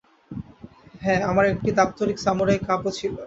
হ্যাঁ, আমার একটা দাপ্তরিক সামুরাই কাপ ও ছিল।